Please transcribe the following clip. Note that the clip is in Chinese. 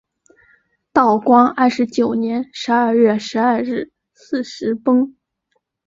道光二十九年十二月十二日巳时崩。